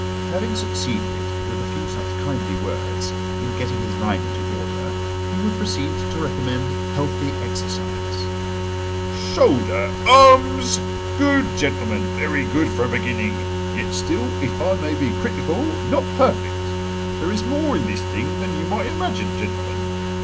Having succeeded, with a few such kindly words, in getting his line into order, he would proceed to recommend healthy exercise. "Shoulder arms! Good, gentlemen, very good for a beginning. Yet still, if I may be critical, not perfect. There is more in this thing than you might imagine, gentlemen.